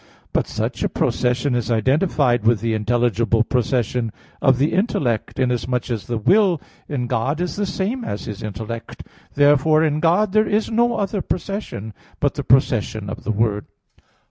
But such a procession is identified with the intelligible procession of the intellect, inasmuch as the will in God is the same as His intellect (Q. 19, A. 1). Therefore in God there is no other procession but the procession of the Word.